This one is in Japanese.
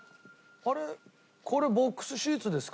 あれこれボックスシーツですか？